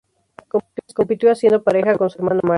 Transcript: Compitió haciendo pareja con su hermano Martin.